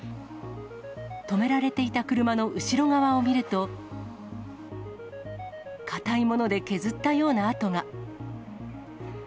止められていた車の後ろ側を見ると、硬いもので削ったような跡が。